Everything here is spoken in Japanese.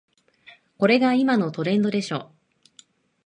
これが今のトレンドでしょ